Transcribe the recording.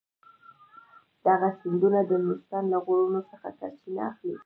دغه سیندونه د نورستان له غرونو څخه سرچینه اخلي.